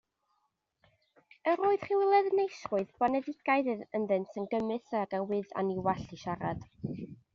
Yr oedd rhyw ledneisrwydd boneddigaidd ynddynt yn gymysg ag awydd anniwall i siarad.